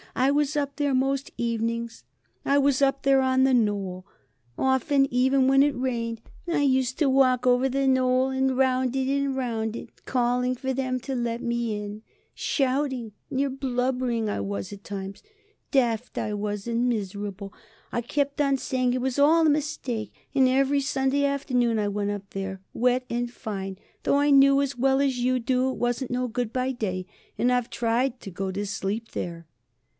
I was up there, most evenings I was up there on the Knoll, often even when it rained. I used to walk over the Knoll and round it and round it, calling for them to let me in. Shouting. Near blubbering I was at times. Daft I was and miserable. I kept on saying it was all a mistake. And every Sunday afternoon I went up there, wet and fine, though I knew as well as you do it wasn't no good by day. And I've tried to go to sleep there."